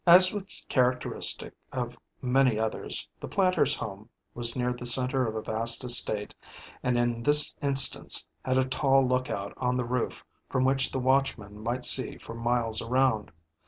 As was characteristic of many others, the planter's home was near the center of a vast estate and in this instance had a tall lookout on the roof from which the watchman might see for miles around.